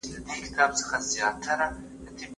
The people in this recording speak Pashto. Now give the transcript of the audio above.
کله هم د ژوند پر «اغزنه لار» تللي وي